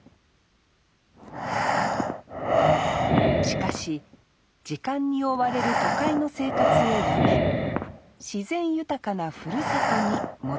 しかし時間に追われる都会の生活をやめ自然豊かなふるさとに戻ってきました